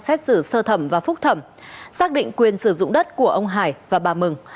xét xử sơ thẩm và phúc thẩm xác định quyền sử dụng đất của ông hải và bà mừng